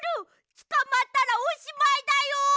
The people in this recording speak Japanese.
つかまったらおしまいだよ！